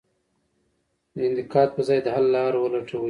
د انتقاد په ځای د حل لار ولټوئ.